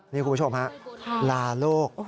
นี่คุณผู้ชมฮะลาโลก